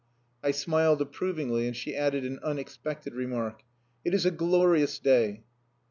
I smiled approvingly, and she added an unexpected remark "It is a glorious day."